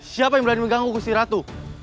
siapa yang berani mengganggu kuciratu